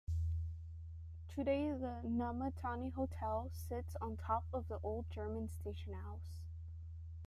Today the Namatanai Hotel sits on top of the old German Station house.